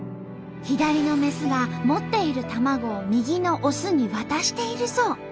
左のメスが持っている卵を右のオスに渡しているそう。